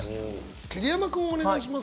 桐山君お願いします。